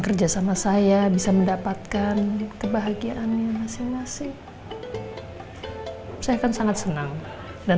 kerja sama saya bisa mendapatkan kebahagiaan yang masih masih saya akan sangat senang dan